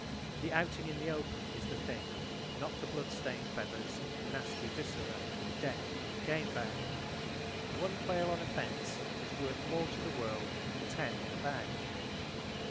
The Outing in the Open is the thing,—not the blood stained feathers, nasty viscera and Death in the game bag. One quail on a fence is worth more to the world than ten in a bag.